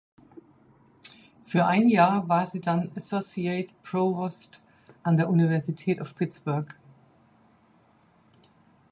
Für ein Jahr war sie dann Associate Provost an der University of Pittsburgh.